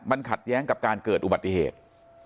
มันขัดแย้งกับการเกิดอุบัติเหตุ